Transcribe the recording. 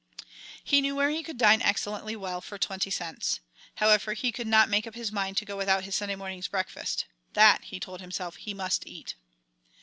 He knew where he could dine excellently well for twenty cents. However, he could not make up his mind to go without his Sunday morning's breakfast. That, he told himself, he must eat.